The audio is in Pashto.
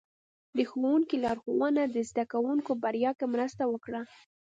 د ښوونکي لارښوونه د زده کوونکو بریا کې مرسته وکړه.